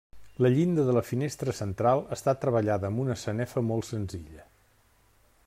La llinda de la finestra central està treballada amb una sanefa molt senzilla.